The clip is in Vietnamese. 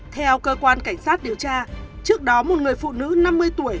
theo cơ quan cảnh sát điều tra trước đó một người phụ nữ năm mươi tuổi